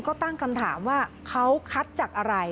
ก็ตั้งคำถามว่าเขาคัดจากอะไร